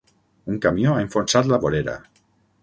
Un camió ha enfonsat la vorera.